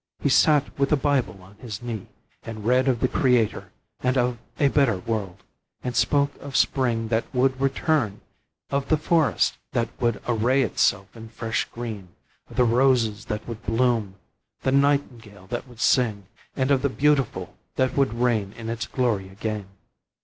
He sat with the Bible on his knee, and read of the Creator and of a better world, and spoke of spring that would return, of the forest that would array itself in fresh green, of the roses that would bloom, the nightingale that would sing, and of the beautiful that would reign in its glory again.